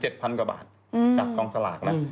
ดอกลองสลากนะ